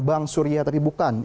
bank suria tapi bukan